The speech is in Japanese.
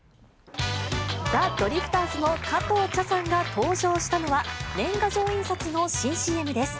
ザ・ドリフターズの加藤茶さんが登場したのは、年賀状印刷の新ＣＭです。